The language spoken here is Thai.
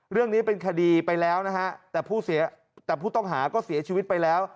เรื่องนี้เป็นคดีไปแล้วนะฮะแต่ผู้ต้องหาก็เสียชีวิตไปแล้ว